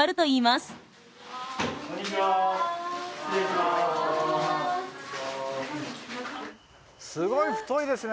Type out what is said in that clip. すごい太いですね